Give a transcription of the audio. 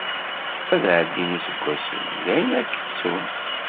Ad ɛeddin iseggasen, dayen ad k-ttun.